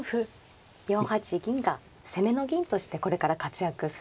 ４八銀が攻めの銀としてこれから活躍する。